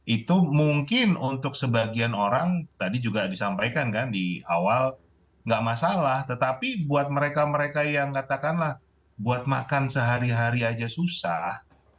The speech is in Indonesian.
itu mungkin untuk sebagian orang tadi juga disampaikan kan di awal nggak masalah tetapi buat mereka mereka yang katakanlah buat makan sehari hari aja susah